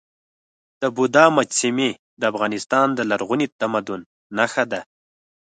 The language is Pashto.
د بودا مجسمې د افغانستان د لرغوني تمدن نښه ده.